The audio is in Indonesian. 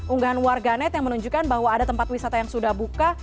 unggahan warganet yang menunjukkan bahwa ada tempat wisata yang sudah buka